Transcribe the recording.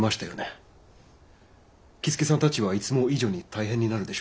僖助さんたちはいつも以上に大変になるでしょう。